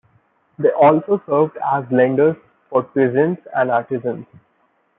They also served as lenders for peasants and artisans.